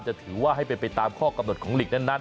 จะถือว่าให้เป็นไปตามข้อกำหนดของหลีกนั้น